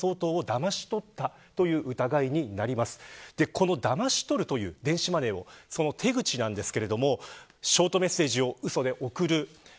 このだまし取るという電子マネーをその手口なんですがショートメッセージをうそで送る。